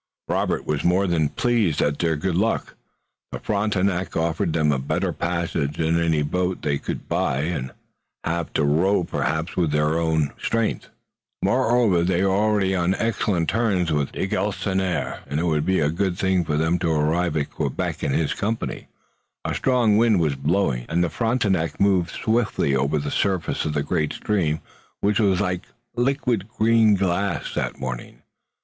Robert was more than pleased at their good luck. The Frontenac offered them a better passage than any boat they could buy and have to row perhaps with their own strength. Moreover, they were already on excellent terms with de Galisonnière, and it would be a good thing for them to arrive at Quebec in his company. A strong wind was blowing, and the Frontenac moved swiftly over the surface of the great stream which was like liquid green glass that morning.